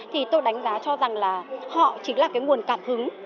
thì tôi đánh giá cho rằng là họ chính là cái nguồn cảm hứng